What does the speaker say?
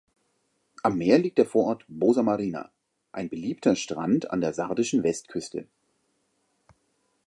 Am Meer liegt der Vorort Bosa Marina, ein beliebter Strand an der sardischen Westküste.